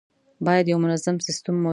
باید یو منظم سیستم موجود وي.